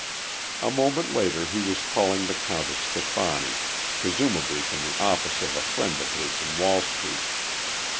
A moment later he was calling the Countess Stefani, presumably from the office of a friend of his in Wall Street.